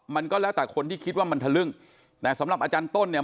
มันก็แล้วแต่คนที่คิดว่ามันทะลึ่งแต่สำหรับอาจารย์ต้นเนี่ย